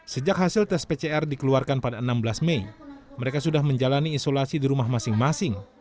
sejak hasil tes pcr dikeluarkan pada enam belas mei mereka sudah menjalani isolasi di rumah masing masing